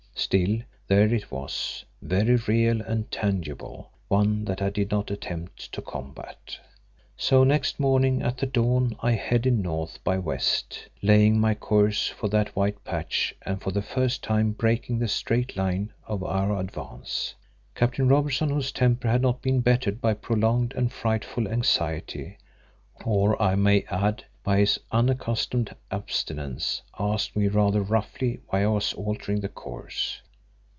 Still, there it was, very real and tangible, one that I did not attempt to combat. So next morning at the dawn I headed north by west, laying my course for that white patch and for the first time breaking the straight line of our advance. Captain Robertson, whose temper had not been bettered by prolonged and frightful anxiety, or I may add, by his unaccustomed abstinence, asked me rather roughly why I was altering the course.